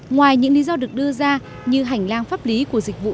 ngoài những lý do được đưa ra như hành lang pháp lý của dịch vụ